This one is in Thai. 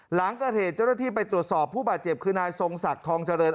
หลังเกิดเหตุเจ้าหน้าที่ไปตรวจสอบผู้บาดเจ็บคือนายทรงศักดิ์ทองเจริญ